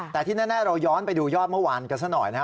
แต่ที่แน่เราย้อนไปดูยอดเมื่อวานกันซะหน่อยนะฮะ